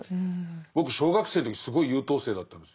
僕小学生の時すごい優等生だったんです。